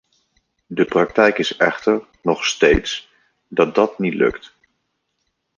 De praktijk is echter nog steeds dat dat niet lukt.